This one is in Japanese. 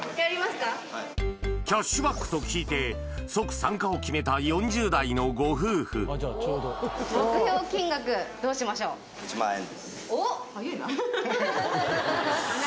キャッシュバックと聞いて即参加を決めた４０代のご夫婦おっ！